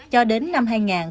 cho đến năm hai nghìn một mươi